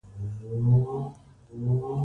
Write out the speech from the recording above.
اوښ د افغانستان د جغرافیوي تنوع مثال دی.